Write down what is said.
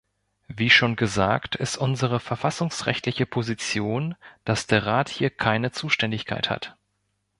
Wie schon gesagt, ist unsere verfassungsrechtliche Position, dass der Rat hier keine Zuständigkeit hat.